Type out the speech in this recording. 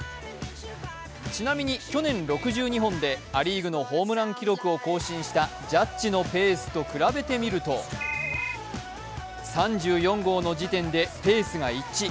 ちなみに去年６２本でア・リーグのホームラン記録を更新したジャッジのペースと比べてみると、３４号の時点でペースが一致。